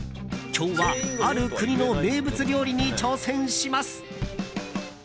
今日は、ある国の名物料理に挑戦します。